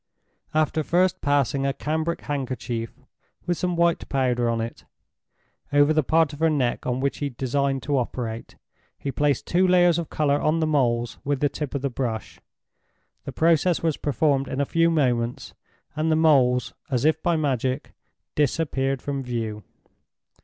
After first passing a cambric handkerchief, with some white powder on it, over the part of her neck on which he designed to operate, he placed two layers of color on the moles with the tip of the brush. The process was performed in a few moments, and the moles, as if by magic, disappeared from view.